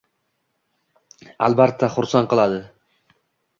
– Albatta xursand qiladi.